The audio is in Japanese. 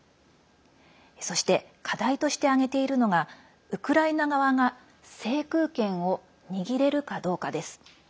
そして、課題として挙げているのがウクライナ側が制空権を握れるかどうかです。